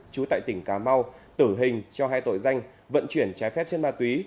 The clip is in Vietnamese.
trú tại tỉnh cà mau tử hình cho hai tội danh vận chuyển trái phép trên ma túy